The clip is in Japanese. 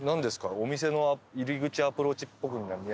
お店の入り口アプローチっぽく。